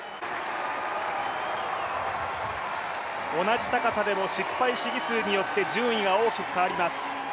同じ高さでも失敗試技数によって順位が大きく変わります。